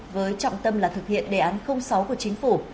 với trọng tâm là thực hiện đề án sáu của chính phủ